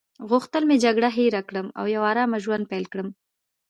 غوښتل مې جګړه هیره کړم او یو آرامه ژوند پیل کړم.